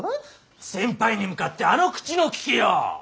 先輩に向かってあの口の利きよう！